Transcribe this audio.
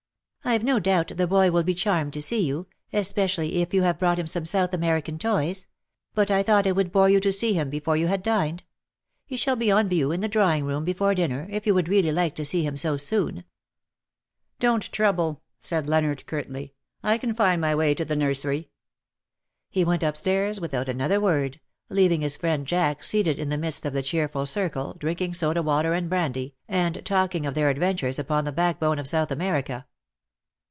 Fve no doubt the boy will be charmed to see you, especially if you have brought him some South American toys ; but 1 thought it would bore you to see him before you had dined. He shall be on view in the drawing room before dinner, if you would really like to see him so " Don^t trouble/' said Leonard, curtly ;" I can find my way to the nursery/' He went upstairs without another word, leaving his friend Jack seated in the midst of the cheerful circle, drinking soda water and brandy, and talking of their adventures upon the backbone of South America.